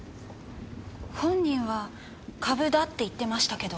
本人は「株だ」って言ってましたけど。